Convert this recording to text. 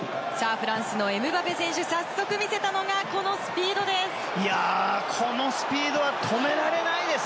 フランスのエムバペ選手早速見せたのがこのスピードです。